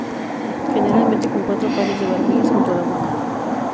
Generalmente con cuatro pares de barbillas junto a la boca.